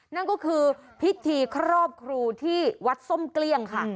นั่นก็คือพิธีครอบครูที่วัดส้มเกลี้ยงค่ะ